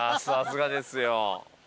さすがですよ。